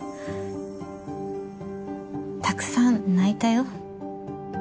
たくさん泣いたよ。